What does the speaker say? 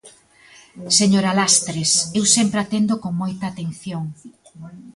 Señora Lastres, eu sempre atendo con moita atención.